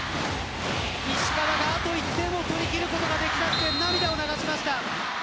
石川があと１点を取り切ることができずに涙を流しました。